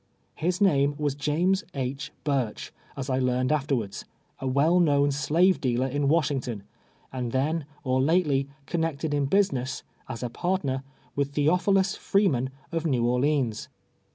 His name was James II. Burch, as I learned afterwards — a well known slave dealer in Washington ; and then, or late ly, connected in business, as a partner, with Tlieoj^hi lus Freeman, of ISTew Orleans.